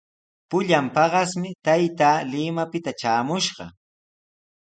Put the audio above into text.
Pullan paqasmi taytaa Limapita traamushqa.